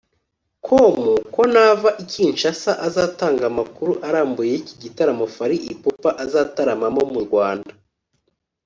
com ko nava i Kinshasa azatangaza amakuru arambuye y’iki gitaramo Fally Ipupa azataramamo mu Rwanda